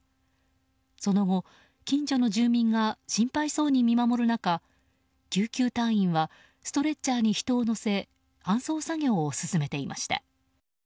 その後、近所の住民が心配そうに見守る中救急隊員はストレッチャーに人を乗せ搬送作業を進めていました。